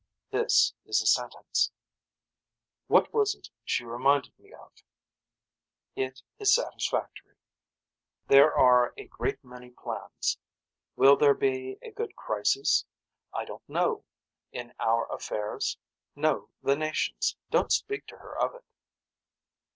This is a sentence. What was it she reminded me of. It is satisfactory. There are a great many plans. Will there be a good crises. I don't know. In our affairs. No the nations. Don't speak to her of it.